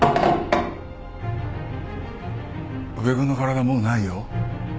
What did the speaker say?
宇部君の体もうないよ。